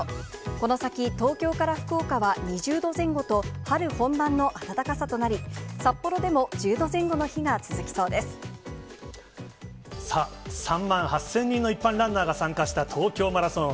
この先、東京から福岡は２０度前後と、春本番の暖かさとなり、札幌でも、さあ、３万８０００人の一般ランナーが参加した東京マラソン。